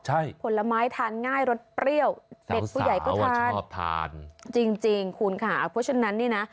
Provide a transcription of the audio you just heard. ใช่ผลไม้ทานง่ายรสเปรี้ยวเด็กผู้ใหญ่ก็ทานชอบทานจริงจริงคุณค่ะเพราะฉะนั้นนี่นะ